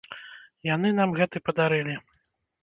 Яны нам гэты падарылі.